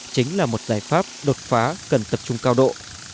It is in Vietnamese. chính là một giải pháp đột phá cần tập trung cao độ